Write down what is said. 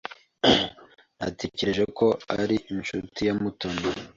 Natekereje ko uri inshuti ya Mutoni.